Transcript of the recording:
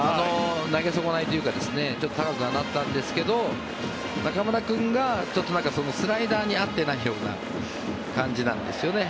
投げ損ないというか高くなったんですけど中村君が、ちょっとスライダーに合ってないような感じなんですよね。